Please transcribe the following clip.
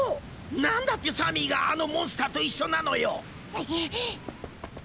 何だってサミーがあのモンスターと一緒なのよ？